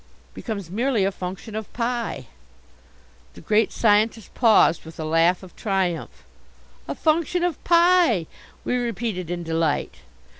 "Becomes merely a function of pi!" The Great Scientist paused with a laugh of triumph. "A function of pi!" we repeated in delight.